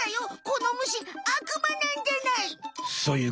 このむしあくまなんじゃない！